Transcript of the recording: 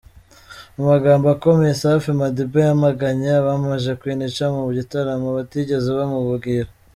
Mu magambo akomeye Safi Madiba yamaganye abamamaje Queen Cha mu gitaramo batigeze bamubwira.